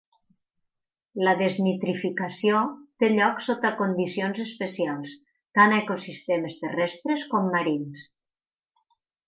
La desnitrificació té lloc sota condicions especials tant a ecosistemes terrestres com marins.